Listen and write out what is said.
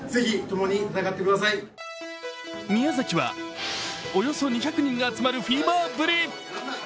宮崎はおよそ２００人が集まるフィーバーぶり。